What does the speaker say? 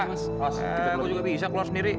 eh gue juga bisa keluar sendiri